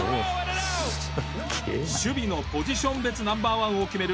守備のポジション別ナンバーワンを決める